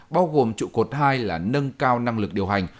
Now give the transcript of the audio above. bao gồm trụ cột hai là nâng cao năng lực điều hành